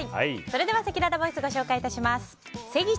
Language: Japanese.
それではせきららボイスご紹介致します。